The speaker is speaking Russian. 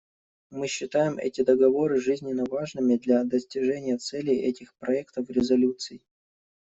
Мы считаем эти договоры жизненно важными для достижения целей этих проектов резолюций.